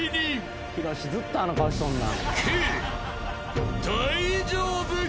ずっとあの顔しとんな。